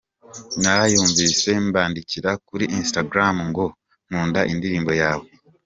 Narayumvise mbyandika kuri “Instagram” ngo nkunda indirimbo yawe.